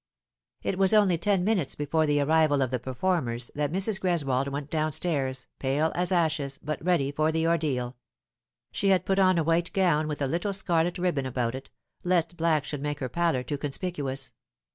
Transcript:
It was only ten minutes before the arrival of the performers that Mrs. Greswold went down stairs, pale as ashes, but ready for the ordeal. She had put on a white gown with a littla scarlet ribbon about it, lest black should make her pallor too conspicuous.